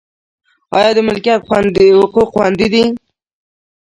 آیا د ملکیت حقوق خوندي دي؟